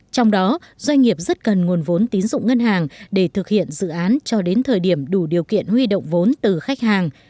trong đó doanh nghiệp rất cần nguồn vốn tín dụng ngân hàng để thực hiện dự án cho đến thời điểm đủ điều kiện huy động vốn từ khách hàng